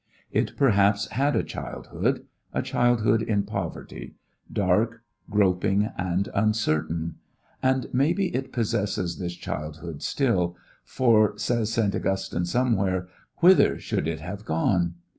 It perhaps had a childhood; a childhood in poverty dark, groping and uncertain. And maybe it possesses this childhood still, for, says St. Augustine somewhere, whither should it have gone?